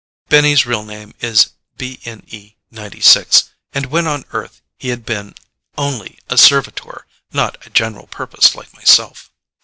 Benny's real name is BNE 96, and when on Earth he had been only a Servitor, not a General Purpose like myself.